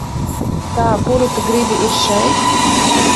Tā kuru tu gribi, ir šeit?